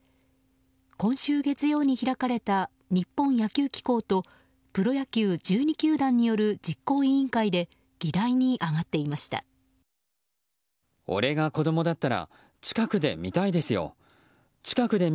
今週月曜に開かれた日本野球機構とプロ野球１２球団による実行委員会で議題に上がっていました。